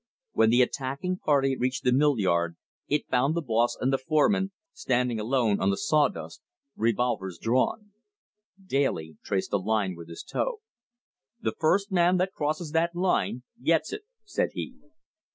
When the attacking party reached the mill yard, it found the boss and the foreman standing alone on the saw dust, revolvers drawn. Daly traced a line with his toe. "The first man that crosses that line gets it," said he.